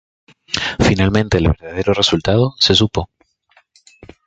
Finalmente el verdadero resultado se supo.